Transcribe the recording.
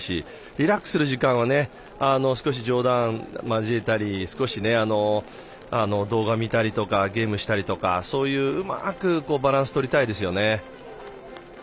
リラックスする時間は少し冗談を交えたり少し動画を見たりとかゲームしたりとかそういうふうに、うまくバランスをとりたいですよね。